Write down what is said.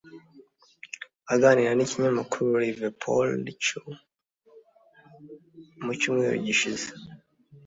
Aganira n’ikinyamakuru liverpoolecho mu cyumweru gishize